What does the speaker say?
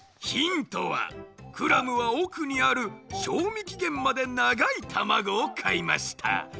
ヒントはクラムはおくにある賞味期限までながいたまごを買いました。